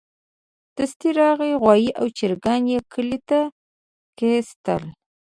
دستي راغی غوايي او چرګان يې کلي ته کېستل.